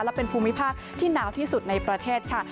และเป็นภูมิภาคที่หนาวที่สุดในประเทศค่ะ